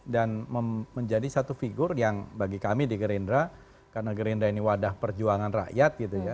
dan menjadi satu figur yang bagi kami di gerindra karena gerindra ini wadah perjuangan rakyat